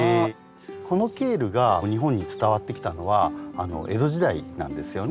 このケールが日本に伝わってきたのは江戸時代なんですよね。